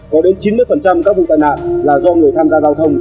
có đến chín mươi các vụ tai nạn là do người tham gia giao thông